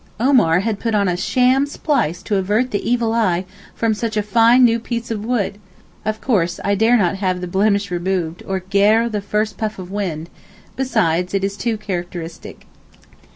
Omar had put on a sham splice to avert the evil eye from such a fine new piece of wood! Of course I dare not have the blemish renewed or gare the first puff of wind—besides it is too characteristic.